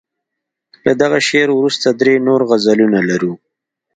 له دغه شعر وروسته درې نور غزلونه لرو.